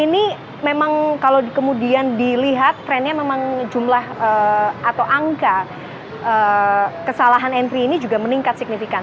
ini memang kalau kemudian dilihat trennya memang jumlah atau angka kesalahan entry ini juga meningkat signifikan